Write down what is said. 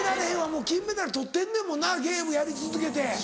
もう金メダル取ってんねんもんなゲームやり続けて。